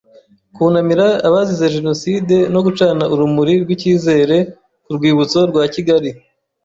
Kunamira abazize Jenoside no gucana urumuri rw Icyizere ku rwibutso rwa Kigali